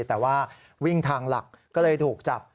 แต่ว่าวิ่งทางหลักก็เลยถูกจับ